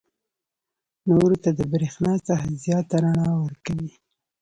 نورو ته د برېښنا څخه زیاته رڼا ورکوي.